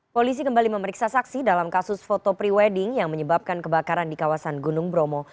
polisi kembali memeriksa saksi dalam kasus foto pre wedding yang menyebabkan kebakaran di kawasan gunung bromo